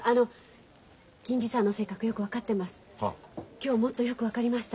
今日もっとよく分かりました。